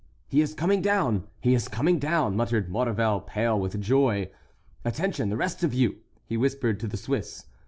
"He is coming down! He is coming down!" muttered Maurevel, pale with joy. "Attention, the rest of you!" he whispered to the Swiss.